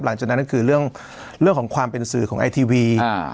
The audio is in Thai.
หลังจากนั้นก็คือเรื่องของความเป็นสื่อของไอทีวี